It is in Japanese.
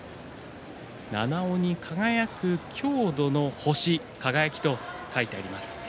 七尾に輝く郷土の星輝と書いてあります。